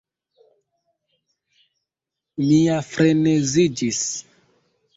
Mi ja freneziĝis.